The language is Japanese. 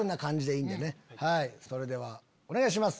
それではお願いします